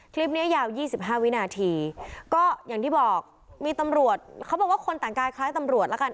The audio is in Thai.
เนี้ยยาว๒๕วินาทีก็อย่างที่บอกมีตำรวจเขาบอกว่าคนแต่งกายคล้ายตำรวจแล้วกัน